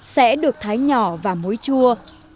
sẽ được thái nhỏ và muối chua